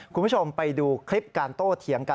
คุณผู้ชมไปดูคลิปการโต้เถียงกัน